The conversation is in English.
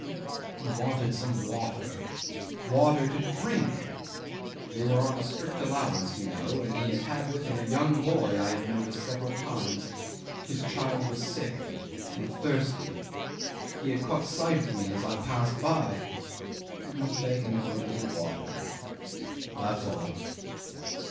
He wanted some water water to drink; they were on strict allowance, you know, and he had with him a young boy I had noticed several times. His child was sick and thirsty. He had caught sight of me as I passed by, and was begging for a little water. That's all.